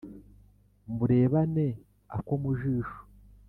murebane ako mu jisho